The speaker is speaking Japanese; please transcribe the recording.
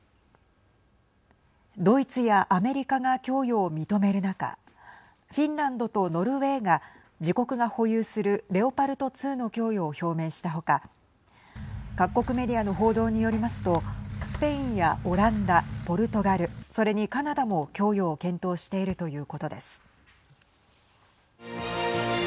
ドイツやアメリカが供与を認める中フィンランドとノルウェーが自国が保有するレオパルト２の供与を表明した他各国メディアの報道によりますとスペインやオランダ、ポルトガルそれにカナダも供与を検討しているということです。